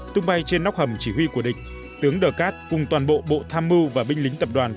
tung bay trên nóc hầm chỉ huy của địch tướng đờ cát cùng toàn bộ bộ tham mưu và binh lính tập đoàn